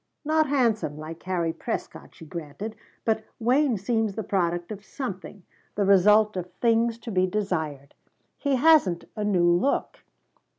"Not handsome, like Harry Prescott," she granted, "but Wayne seems the product of something the result of things to be desired. He hasn't a new look."